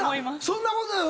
そんなことない。